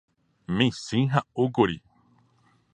Michĩ ha'úkuri.